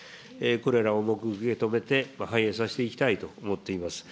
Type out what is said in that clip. これらを重く受け止めて反映させていきたいと思っております。